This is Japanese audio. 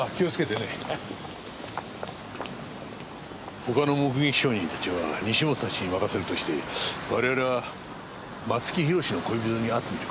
他の目撃証人たちは西本たちに任せるとして我々は松木弘の恋人に会ってみるか。